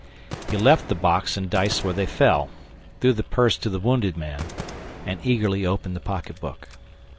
He left the box and dice where they fell, threw the purse to the wounded man, and eagerly opened the pocketbook.